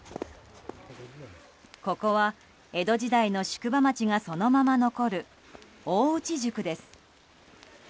ここは、江戸時代の宿場町がそのまま残る大内宿です。